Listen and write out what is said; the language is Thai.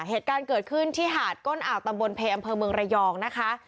เหตุการณ์เกิดขึ้นที่หาดก้นอ่าวตำบลเพอำเภอเมืองระยองนะคะ